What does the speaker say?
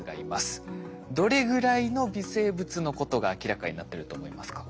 どれぐらいの微生物のことが明らかになってると思いますか？